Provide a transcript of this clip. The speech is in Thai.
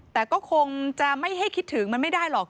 แต่ก็คงจะไม่ให้คิดถึงมันไม่ได้หรอก